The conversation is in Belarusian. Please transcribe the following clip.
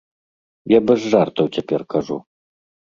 Я без жартаў цяпер кажу.